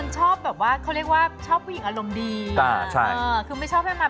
ชอบผู้หญิงอารมณ์ดี